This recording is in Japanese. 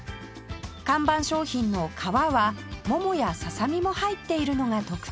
看板商品の「かわ」はももやささみも入っているのが特徴